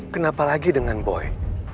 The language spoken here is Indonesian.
kenapa lagi dengan boy